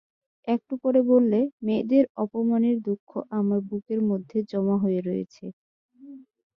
একটু পরে বললে, মেয়েদের অপমানের দুঃখ আমার বুকের মধ্যে জমা হয়ে রয়েছে।